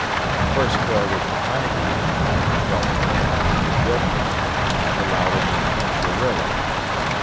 The First Corps was behind the Eleventh and Twelfth Corps, near Guilford, on the Loudon and Hampshire Railroad.